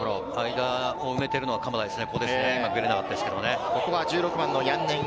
間を埋めているのは鎌田ですね。